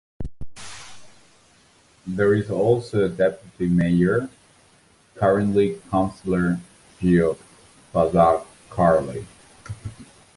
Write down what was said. There is also a Deputy Mayor, currently Councillor Geoff Fazackarley.